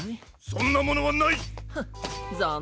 そんなものはない！